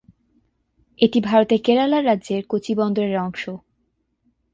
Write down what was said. এটি ভারতের কেরালা রাজ্যের কোচি বন্দরের অংশ।